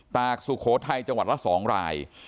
กสุโขทัยจังหวัดละ๒ราย